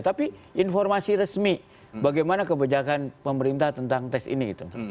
tapi informasi resmi bagaimana kebijakan pemerintah tentang tes ini gitu